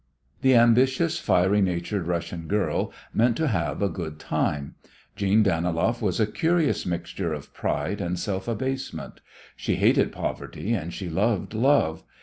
The ambitious, fiery natured Russian girl meant to have a good time. Jeanne Daniloff was a curious mixture of pride and self abasement. She hated poverty and she loved love.